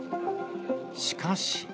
しかし。